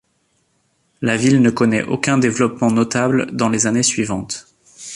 La ville ne connaît aucun développement notable dans les années suivantes.